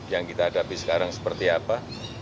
yang kita hadapi sekarang seperti apa